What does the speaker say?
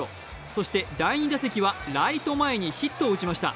そして第２打席はライト前にヒットを打ちました。